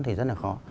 thì rất là khó